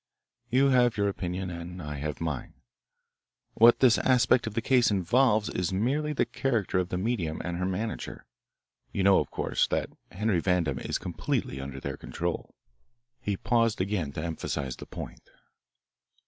You have your opinion, and I have mine. What this aspect of the case involves is merely the character of the medium and her manager. You know, of course, that Henry Vandam is completely under their control." He paused again, to emphasise the point.